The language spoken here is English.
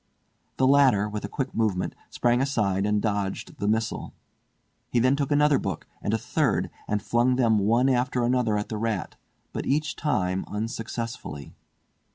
The latter, with a quick movement, sprang aside and dodged the missile. He then took another book, and a third, and flung them one after another at the rat, but each time unsuccessfully.